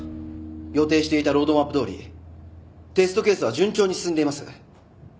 予定していたロードマップどおりテストケースは順調に進んでいます。